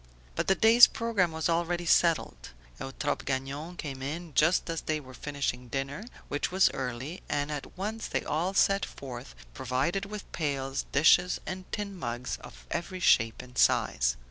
But the day's programme was already settled. Eutrope Gagnon came in just as they were finishing dinner, which was early, and at once they all set forth, provided with pails, dishes and tin mugs of every shape and size.